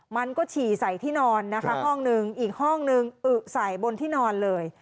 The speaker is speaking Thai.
มันก็ฉี่ใส่ที่นอนนะคะห้องนึงอีกห้องนึงอึใส่บนที่นอนเลย